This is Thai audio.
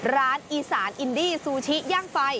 ร้านอีสานอินดี้ซูชิย่างไฟ